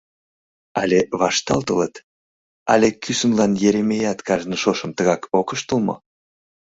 Але вашталтылыт, але кӱсынлан Еремеят кажне шошым тыгак ок ыштыл мо?